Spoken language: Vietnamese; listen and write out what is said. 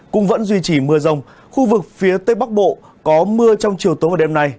cũng vẫn duy trì mưa rông khu vực phía tây bắc bộ có mưa trong chiều tối và đêm nay